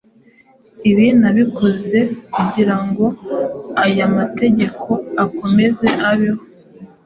ibi nabikoze kugirango aya mateka azakomeze abeho